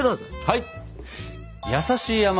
はい！